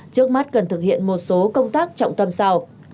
trước mắt cần thực hiện một số công tác trọng tâm sau